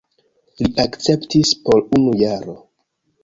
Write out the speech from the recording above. Li akceptis por unu jaro.